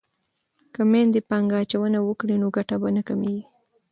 که میندې پانګه اچونه وکړي نو ګټه به نه کمیږي.